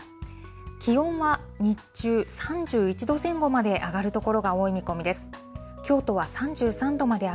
気温は日中３１度前後まで上がる所が多い見込みです。